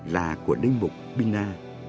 là của linh mục pina